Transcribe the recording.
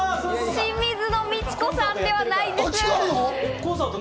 清水のミチコさんではないんです。